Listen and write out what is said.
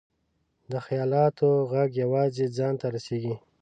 د خیالاتو ږغ یوازې ځان ته رسېږي.